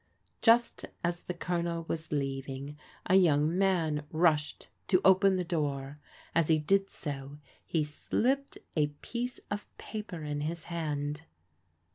Just as the Colonel was leaving, a young man rushed to open the dor. As he did so he slipped a piece of paper in his hand.